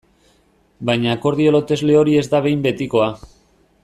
Baina akordio lotesle hori ez da behin betikoa.